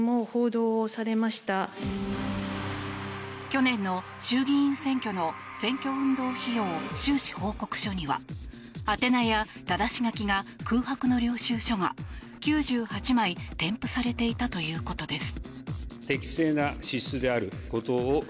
去年の衆議院選挙の選挙運動費用収支報告書には宛名やただし書きが空白の領収書が９８枚添付されていたということです。